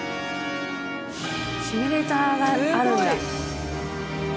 シミュレーターがあるんだ。